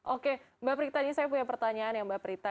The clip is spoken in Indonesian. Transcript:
oke mbak prita ini saya punya pertanyaan ya mbak prita